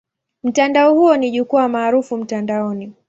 Mtandao huo ni jukwaa maarufu mtandaoni.